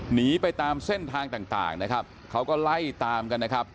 หนีไปตามเส้นทางต่างนะครับเขาก็ไล่ตามกันนะครับ